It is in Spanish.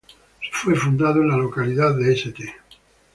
Fue fundado en la localidad de St.